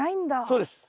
そうです。